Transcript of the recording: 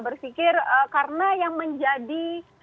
bersikir karena yang menjadi